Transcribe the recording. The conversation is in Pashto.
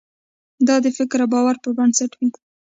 دا د فکر او باور پر بنسټ وي.